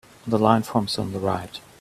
The line forms on the right.